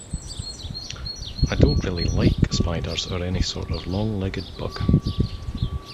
I don't really like spiders or any sort of long legged bug.